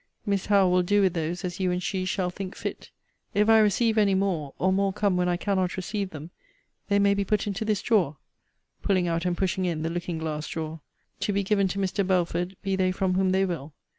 Miss Howe will do with those as you and she shall think fit. If I receive any more, or more come when I cannot receive them, they may be put into this drawer, [pulling out and pushing in the looking glass drawer,] to be given to Mr. Belford, be they from whom they will.